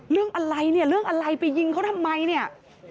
เรื่องอะไรเนี่ยเรื่องอะไรไปยิงเขาทำไมเนี่ย